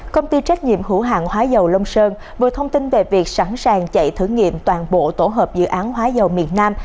công ty trách nhiệm hữu hạng hóa dầu long sơn vừa thông tin về việc sẵn sàng chạy thử nghiệm toàn bộ tổ hợp dự án hóa dầu miền nam